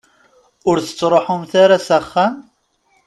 Ur tettruḥumt ara s axxam?